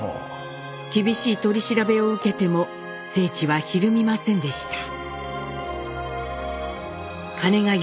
厳しい取り調べを受けても正知はひるみませんでした。